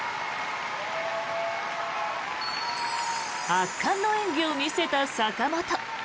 圧巻の演技を見せた坂本。